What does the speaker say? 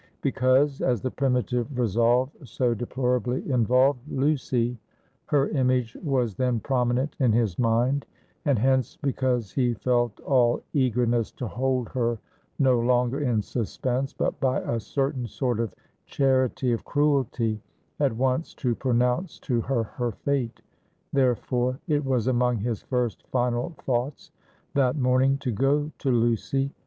Because, as the primitive resolve so deplorably involved Lucy, her image was then prominent in his mind; and hence, because he felt all eagerness to hold her no longer in suspense, but by a certain sort of charity of cruelty, at once to pronounce to her her fate; therefore, it was among his first final thoughts that morning to go to Lucy.